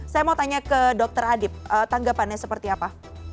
saya mau tanya ke dokter adib tanggapannya seperti apa